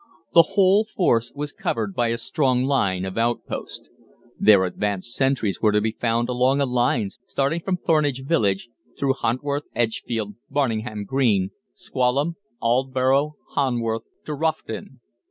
The whole force was covered by a strong line of outposts. Their advanced sentries were to be found along a line starting from Thornage village, through Hunworth, Edgefield, Barningham Green, Squallham, Aldborough, Hanworth, to Roughton.